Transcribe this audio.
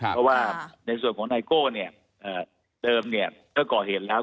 เพราะว่าในส่วนของไนโก้เนี่ยเดิมก็ก่อเหตุแล้ว